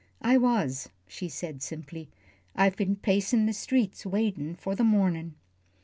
"I was," she said, simply, "I've been pacin' the streets waitin' for the mornin'."